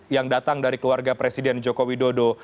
yang datang dari keluarga presiden jokowi dodo